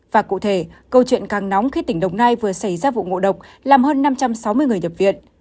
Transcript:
và cụ thể câu chuyện càng nóng khi tỉnh đồng nai vừa xảy ra vụ ngộ độc làm hơn năm trăm sáu mươi người nhập viện